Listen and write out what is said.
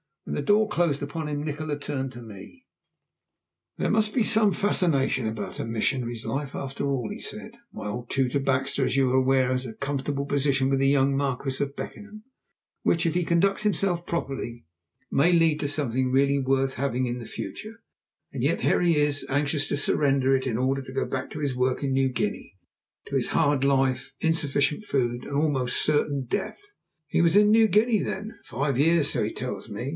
When the door closed upon him Nikola turned to me. "There must be some fascination about a missionary's life after all," he said. "My old tutor, Baxter, as you are aware, has a comfortable position with the young Marquis of Beckenham, which, if he conducts himself properly, may lead to something really worth having in the future, and yet here he is anxious to surrender it in order to go back to his work in New Guinea, to his hard life, insufficient food, and almost certain death." "He was in New Guinea then?" "Five years so he tells me."